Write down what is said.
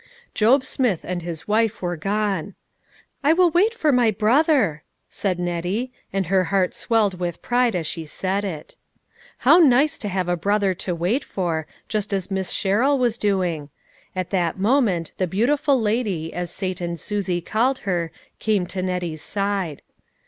Job Smith and his wife were gone. " I will wait for my brother," said Nettie, and her heart swelled with pride as she said it. How nice to have a brother to wait for, just as Miss Sherrill was doing. At that moment the " beautiful lady " as Sate and Susie called her, came to Nettie's side.